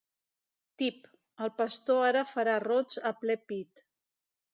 Tip, el pastor ara farà rots a ple pit.